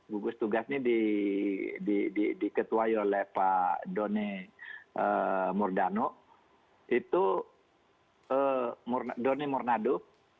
gugus tugas ini diketuai oleh pak doni murnado